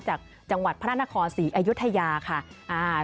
จากจังหวัดพระนครศรีอยุธยาค่ะ